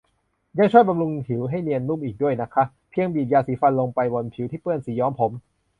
ยังช่วยบำรุงผิวให้เนียนนุ่มอีกด้วยนะคะ เพียงบีบยาสีฟันลงไปบนผิวที่เปื้อนสีย้อมผม